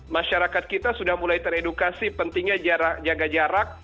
masyarakat kita sudah mulai teredukasi pentingnya jaga jarak